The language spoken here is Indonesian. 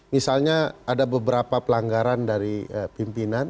misalnya ada beberapa pelanggaran dari pimpinan